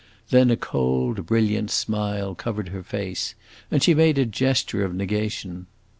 Then a cold, brilliant smile covered her face, and she made a gesture of negation.